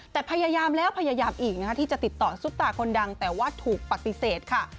แต่พยายามแล้วพยายามอีกนะคะที่จะติดต่อซุปตาคนดังแต่ว่าถูกปฏิเสธค่ะ